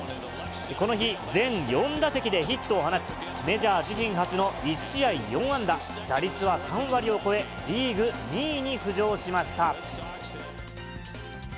この日、全４打席でヒットを放ち、メジャー自身初の１試合４安打、打率は３割を超え、リーグ２位に浮上しました。